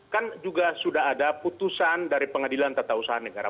kan juga sudah ada putusan dari pengadilan tata usaha negara